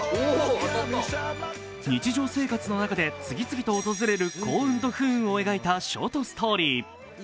日常生活の中で次々と訪れる幸運と不運を描いたショートストーリー。